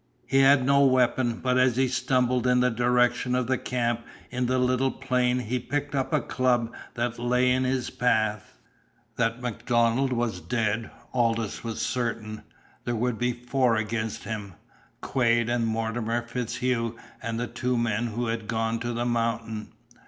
He had no weapon, but as he stumbled in the direction of the camp in the little plain he picked up a club that lay in his path. That MacDonald was dead, Aldous was certain. There would be four against him Quade and Mortimer FitzHugh and the two men who had gone to the mountain.